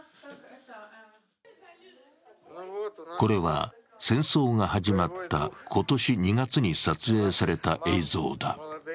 これは戦争が始まった今年２月に撮影された映像だ。